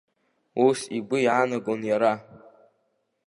Ус игәы иаанагон иара.